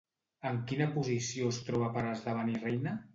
En quina posició es troba per esdevenir reina?